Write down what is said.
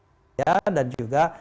saya dan juga